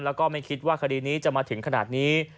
แล้วก็ไม่คิดว่าคดีนี้จะมาถึงขนาดนี้